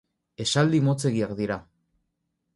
Esaldi motzegiak dira.